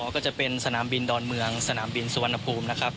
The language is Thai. ก็จะเป็นสนามบินดอนเมืองสนามบินสุวรรณภูมินะครับ